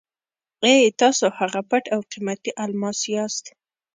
اې! تاسو هغه پټ او قیمتي الماس یاست.